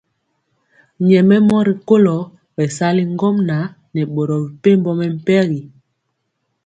Nyɛmemɔ rikolo bɛsali ŋgomnaŋ nɛ boro mepempɔ mɛmpegi.